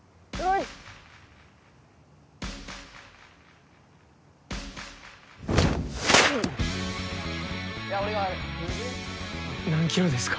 いや俺が悪い何キロですか？